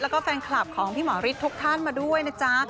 แล้วก็แฟนคลับของพี่หมอฤทธิ์ทุกท่านมาด้วยนะจ๊ะ